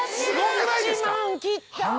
１万切った！